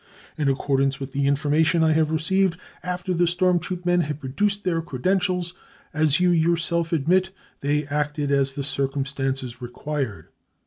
In accordance with the information I have received, after the storm troop men had produced their credentials, as you yourself admit, they acted as the circumstances re quired.